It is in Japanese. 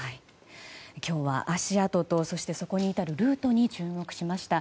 今日は足跡とそしてそこに至るルートについて注目しました。